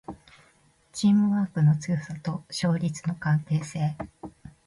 チームワークの強さと勝率の関係性